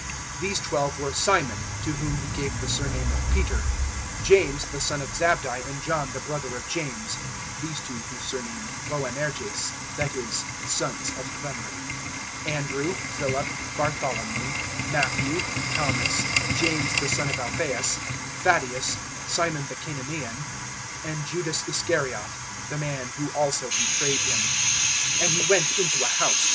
003:016 These twelve were Simon (to whom He gave the surname of Peter), 003:017 James the son of Zabdi and John the brother of James (these two He surnamed Boanerges, that is 'Sons of Thunder'), 003:018 Andrew, Philip, Bartholomew, Matthew, Thomas, James the son of Alphaeus, Thaddaeus, Simon the Cananaean, 003:019 and Judas Iscariot, the man who also betrayed Him. 003:020 And He went into a house.